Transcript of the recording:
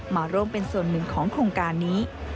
มาร่วมเป็นส่วนหนึ่งของโครงการนี้